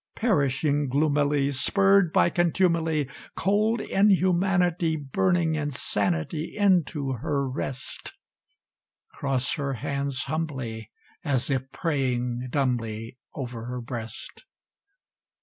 Perishing gloomily, Spurr'd by contumely, Cold inhumanity, Burning insanity, Into her rest. Cross her hands humbly, As if praying dumbly, Over her breast!